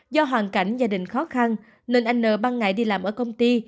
do hoàn cảnh gia đình khó khăn nên anh n ban ngày đi làm ở công ty